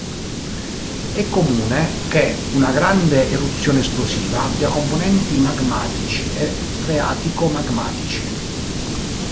È comune che una grande eruzione esplosiva abbia componenti magmatici e freatico-magmatici.